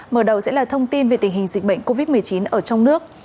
mở đầu sẽ là thông tin về tình hình dịch bệnh covid một mươi chín ở trong nước